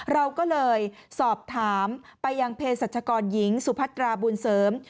เราก็เลยสอบถามไปยังเพศรัชกรหญิงสุพัตราบุญเสริม